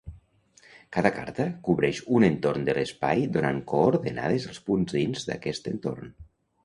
Cada carta cobreix un entorn de l'espai donant coordenades als punts dins d'aquest entorn.